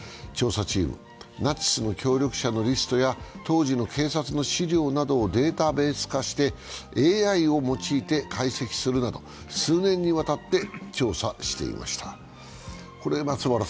調査チーム、ナチスの協力者のリストや当時の警察の資料などをデータベース化してＡＩを用いて解析するなど、数年にわたって調査していました。